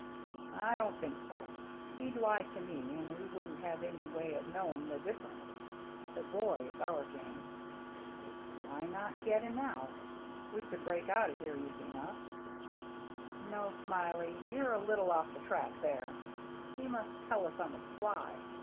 " I don't think so. He'd lie to me, and we wouldn't have any way of knowing the differ ence. The boy is our game." " Why not get him now ? We could break out of here easy enough." "No, Smiley, you're a little off the track there. He must tell us on the sly.